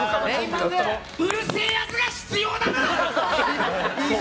うるせえやつが必要だべ！